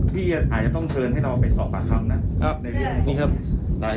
เดี๋ยวพี่อาจจะต้องเชิญให้เราไปสอบปากคำนะ